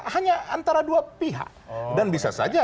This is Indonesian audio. hanya antara dua pihak dan bisa saja